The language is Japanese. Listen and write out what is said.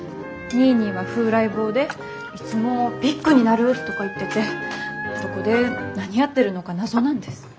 ニーニーは風来坊でいつも「ビッグになる！」とか言っててどこで何やってるのか謎なんです。